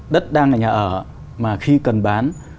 đất đang ở nhà ở mà khi cần bán